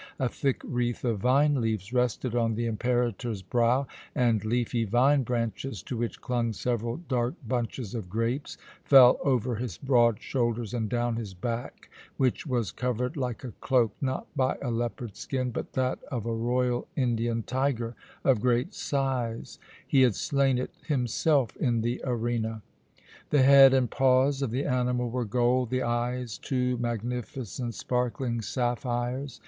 A thick wreath of vine leaves rested on the Imperator's brow, and leafy vine branches, to which clung several dark bunches of grapes, fell over his broad shoulders and down his back, which was covered like a cloak, not by a leopard skin, but that of a royal Indian tiger of great size he had slain it himself in the arena. The head and paws of the animal were gold, the eyes two magnificent sparkling sapphires.